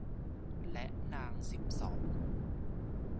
และนางสิบสอง